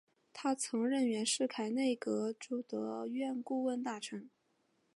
他曾任袁世凯内阁弼德院顾问大臣。